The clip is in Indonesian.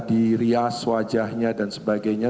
dirias wajahnya dan sebagainya